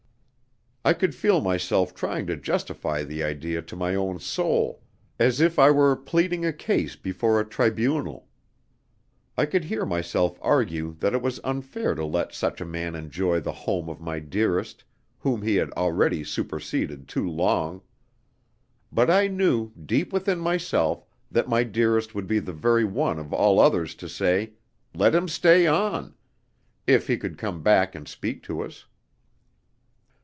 "I could feel myself trying to justify the idea to my own soul, as if I were pleading a case before a tribunal. I could hear myself argue that it was unfair to let such a man enjoy the home of my Dearest, whom he had already superseded too long. But I knew, deep within myself, that my Dearest would be the very one of all others to say, 'Let him stay on,' if he could come back and speak to us.